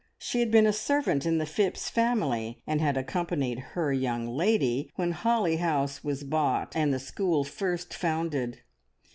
She had been a servant in the Phipps family, and had accompanied "her young lady" when Holly House was bought and the school first founded.